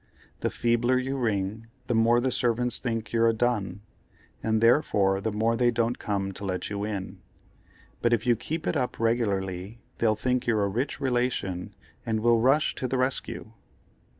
The feebler you ring, the more the servants think you're a dun, and therefore the more they don't come to let you in—but if you keep it up regularly they'll think you're a rich relation and will rush to the rescue."